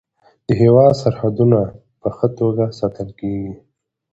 د هیواد سرحدونه په ښه توګه ساتل کیږي.